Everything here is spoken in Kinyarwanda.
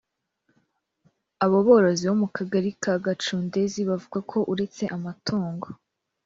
Aba borozi bo mu Kagari ka Gacundezi bavuga ko uretse amatungo